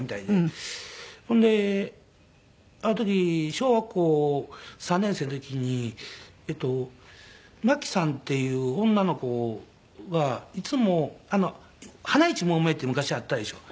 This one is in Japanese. ほんである時小学校３年生の時にマキさんっていう女の子がいつもはないちもんめって昔あったでしょ。